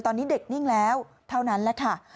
ตอนนี้เด็กนิ่งแล้วเท่านั้นแหละค่ะ